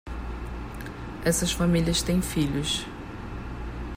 Essas famílias têm filhos.